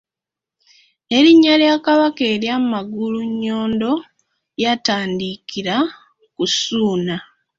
N'erinnya lya Kabaka erya Magulunnyondo lyatandikira ku Ssuuna.